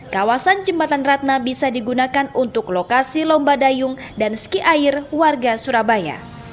kawasan jembatan ratna bisa digunakan untuk lokasi lomba dayung dan ski air warga surabaya